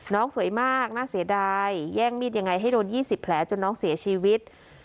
สวยมากน่าเสียดายแย่งมีดยังไงให้โดน๒๐แผลจนน้องเสียชีวิต